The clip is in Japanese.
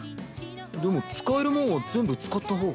でも使えるもんは全部使った方が。